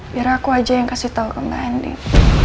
biar aku aja yang kasih tau ke mbak ending